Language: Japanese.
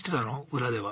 裏では。